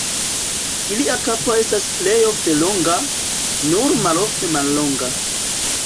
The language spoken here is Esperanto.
Ilia kapo estas plej ofte longa, nur malofte mallonga.